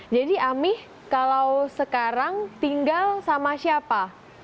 jadi ami kalau sekarang tinggal sama siapa